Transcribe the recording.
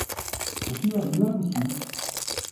Kokuyu alıyor musunuz?